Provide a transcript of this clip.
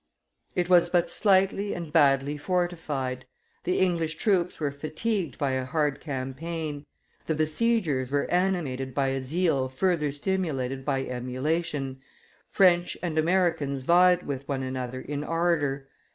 It was but slightly and badly fortified; the English troops were fatigued by a hard campaign; the besiegers were animated by a zeal further stimulated by emulation; French and Americans vied with one another in ardor.